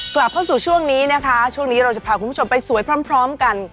กลับเข้าสู่ช่วงนี้นะคะช่วงนี้เราจะพาคุณผู้ชมไปสวยพร้อมกัน